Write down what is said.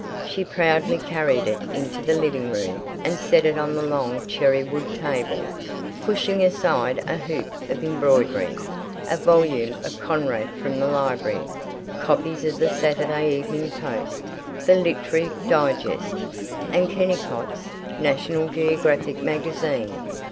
She proudly carried it into the living room and set it on the long cherrywood table, pushing aside a hoop of embroidery, a volume of Conrad from the library, copies of the Saturday Evening Post, the Literary Digest, and Kennicott's National Geographic Magazine.